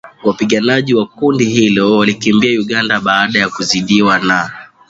Wapiganaji wa kundi hilo walikimbilia Uganda baada ya kuzidiwa na